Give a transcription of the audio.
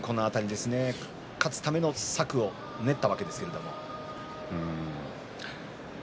勝つための策を練ったわけですけれどもね。